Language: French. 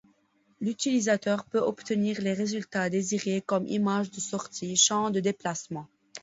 L'utilisateur peut obtenir les résultats désirés comme image de sortie, champs de déplacements.